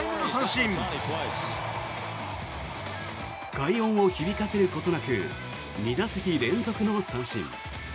快音を響かせることなく２打席連続の三振。